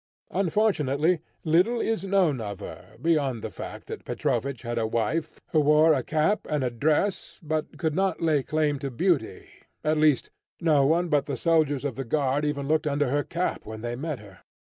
Unfortunately, little is known of her beyond the fact that Petrovich had a wife, who wore a cap and a dress, but could not lay claim to beauty, at least, no one but the soldiers of the guard even looked under her cap when they met her.